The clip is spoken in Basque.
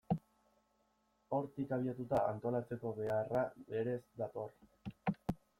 Hortik abiatuta, antolatzeko beharra berez dator.